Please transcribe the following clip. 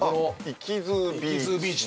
イキヅービーチ。